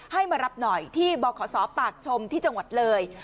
ให้มารับหน่อยที่บขปากชมที่จังหวัดเลย